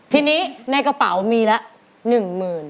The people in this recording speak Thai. ที่นี้ในกระเป๋ามีละหนึ่งหมื่น